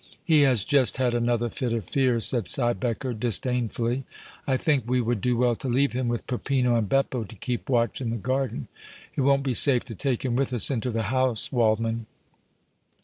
"He has just had another fit of fear," said Siebecker, disdainfully. "I think we would do well to leave him with Peppino and Beppo to keep watch in the garden! It won't be safe to take him with us into the house, Waldmann!"